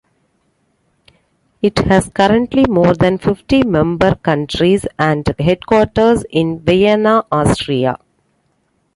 It has currently more than fifty member countries and headquarters in Vienna, Austria.